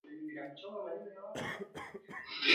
Nipigie simu kesho.